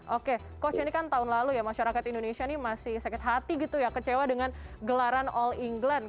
oke coach ini kan tahun lalu ya masyarakat indonesia ini masih sakit hati gitu ya kecewa dengan gelaran all england